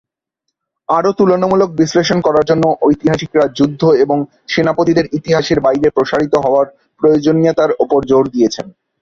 আরও তুলনামূলক বিশ্লেষণ করার জন্য ঐতিহাসিকরা যুদ্ধ এবং সেনাপতিদের ইতিহাসের বাইরে প্রসারিত হওয়ার প্রয়োজনীয়তার উপর জোর দিয়েছেন।